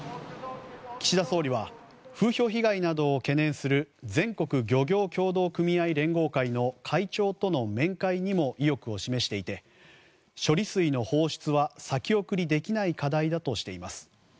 岸田総理は風評被害などを懸念する全国漁業協同組合連合会の会長との面会にも意欲を示していて処理水の放出は先送りできない課題だとしています。